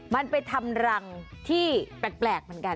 มันไปทำรังที่แปลกเหมือนกัน